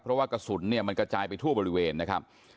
เพราะว่ากระสุนเนี่ยมันกระจายไปทั่วบริเวณนะครับ